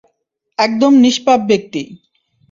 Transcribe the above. একদম নিষ্পাপ ব্যাক্তি।